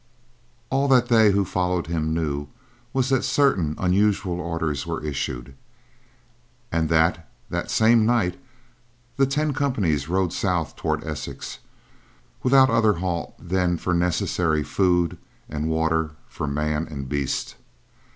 All that they who followed him knew was that certain unusual orders were issued, and that that same night, the ten companies rode south toward Essex without other halt than for necessary food and water for man and beast.